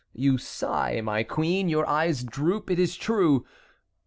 You sigh, my queen, your eyes droop; it is true.